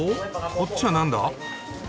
こっちはなんだ？